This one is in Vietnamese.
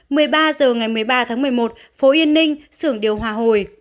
một mươi ba h ngày một mươi ba tháng một mươi một phố yên ninh xưởng điều hòa hồi